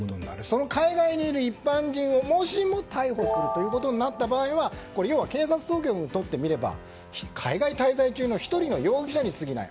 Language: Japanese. その海外にいる一般人をもしも逮捕するとなった場合は要は警察当局にとってみれば海外滞在中の１人の容疑者にすぎない。